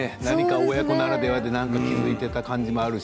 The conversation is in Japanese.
親子ならではで何が気付いている感じはあるし。